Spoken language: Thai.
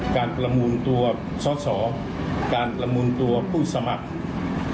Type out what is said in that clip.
การละมูลไปตัวาพสรไปละมูลตัวผู้จะผู้สมัคร